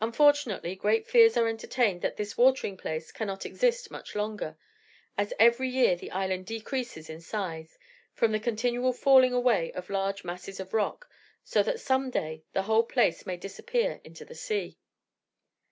Unfortunately, great fears are entertained that this watering place cannot exist much longer, as every year the island decreases in size, from the continual falling away of large masses of rock, so that some day the whole place may disappear into the sea.